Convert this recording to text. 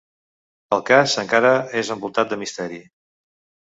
El cas encara és envoltat de misteri.